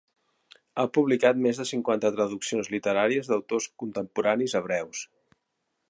Ha publicat més de cinquanta traduccions literàries d'autors contemporanis hebreus.